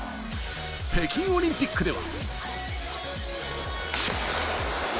北京オリンピックでは。